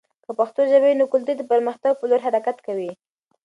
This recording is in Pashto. که پښتو ژبه وي، نو کلتور د پرمختګ په لور حرکت کوي.